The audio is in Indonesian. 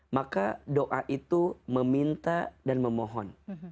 maka doa itu meminta dan memohon